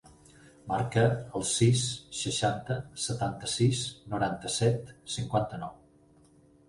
Marca el sis, seixanta, setanta-sis, noranta-set, cinquanta-nou.